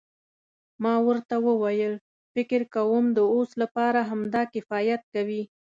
ما ورته وویل فکر کوم د اوس لپاره همدا کفایت کوي.